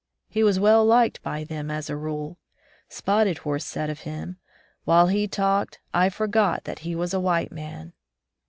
He was well liked by them as a rule. Spotted Horse said of him, "While he talked, I forgot that he was a white man."